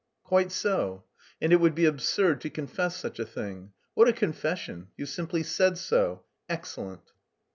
"Quite so. And it would be absurd to confess such a thing. What a confession! You simply said so. Excellent."